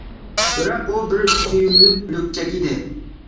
بىراق ئۇ بىر سۆيۈملۈك لۈكچەك ئىدى.